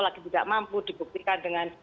lagi tidak mampu dibuktikan dengan